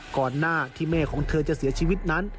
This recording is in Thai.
ก่อนหน้าที่แม่ของเธอจะเสียชีวิตนั้น